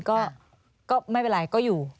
ก็ไม่เป็นไรก็อยู่